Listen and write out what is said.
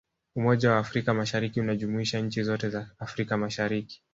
umoja wa afrika mashariki unajumuisha nchi zote za afrika mashariki